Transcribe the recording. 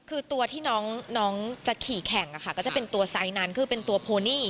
คือตัวที่น้องจะขี่แข่งก็จะเป็นตัวไซส์นั้นคือเป็นตัวโพนี่